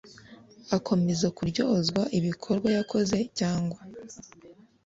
akomeza kuryozwa ibikorwa yakoze cyangwa